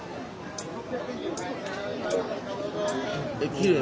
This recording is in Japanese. きれい！